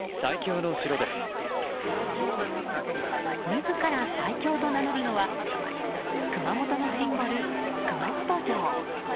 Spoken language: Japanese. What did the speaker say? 自ら最強と名乗るのは熊本のシンボル、熊本城。